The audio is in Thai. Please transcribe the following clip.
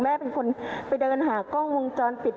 แม่เป็นคนไปเดินหากล้องวงจรปิด